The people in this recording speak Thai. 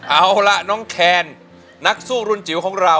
เอาล่ะน้องแคนนักสู้รุ่นจิ๋วของเรา